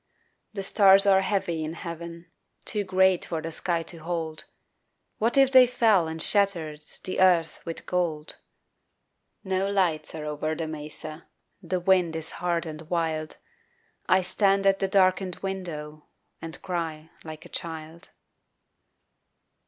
The stars are heavy in heaven, Too great for the sky to hold What if they fell and shattered The earth with gold? No lights are over the mesa, The wind is hard and wild, I stand at the darkened window And cry like a child.